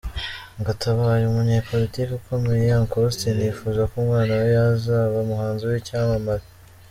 Ngo atabaye umunyepolitiki ukomeye, Uncle Austin yifuza ko umwana we yazaba umuhanzi w’icyamamare.